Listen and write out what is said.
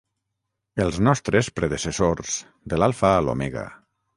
Els nostres predecessors de l'alfa a l'omega.